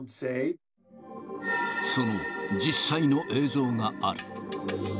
その実際の映像がある。